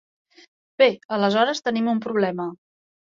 Bé, aleshores tenim un problema.